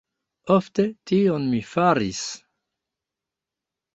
Ofte, tion mi faris.